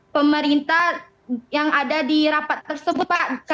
pemerintah yang ada di rapat tersebut pak